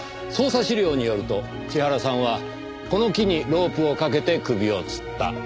捜査資料によると千原さんはこの木にロープをかけて首をつった。